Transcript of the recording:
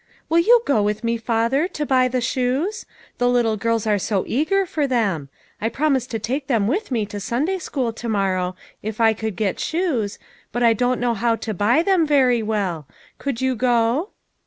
" Will you go with me, father, to buy the shoes ? The little girls are so eager for them. I promised to take them with me to Sunday school to morrow, if I could get shoes, but I don't know how to buy them very well. Could you go?"